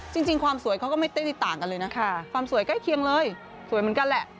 จริงความสวยเขาก็ไม่ได้ต่างกันเลยนะความสวยใกล้เคียงเลยสวยเหมือนกันแหละ